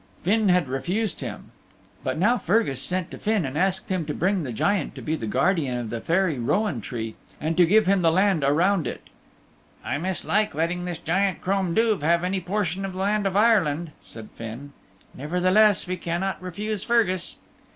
Finn had refused him. But now Fergus sent to Finn and asked him to bring the Giant to be the guardian of the Fairy Rowan Tree and to give him the land around it. "I mislike letting this giant Crom Duv have any portion of the land of Ireland," said Finn, "nevertheless we cannot refuse Fergus."